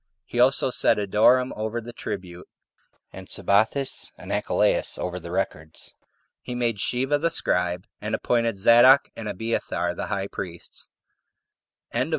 He also set Adoram over the tribute, and Sabathes and Achilaus over the records. He made Sheva the scribe, and appointed Zadok and Abiathar the high priests. CHAPTER 12.